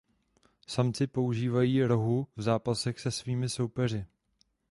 Samci používají rohu v zápasech se svými soupeři.